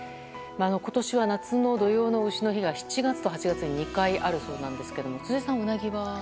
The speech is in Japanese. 今年は、夏の土用の丑の日が７月と８月に２回あるそうですが辻さん、うなぎは？